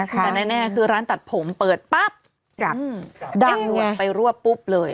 แต่แน่คือร้านตัดผมเปิดปั๊บจับทางด่วนไปรวบปุ๊บเลย